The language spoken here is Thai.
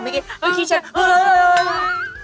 เมื่อกี้เชฟ